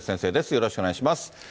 よろしくお願いします。